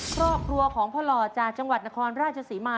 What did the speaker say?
ปลอกลัวของพระหลอดจากจังหวัดนครราชสีมา